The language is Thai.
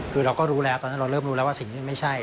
คือเราก็รู้แล้วตอนนั้นเราเริ่มรู้แล้วว่าสิ่งที่มันไม่ใช่